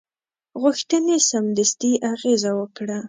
غوښتنې سمدستي اغېزه وکړه.